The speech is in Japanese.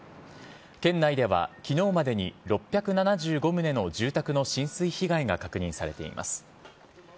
県内ではきのうまでに６７５棟の住宅の浸水被害が確認されています。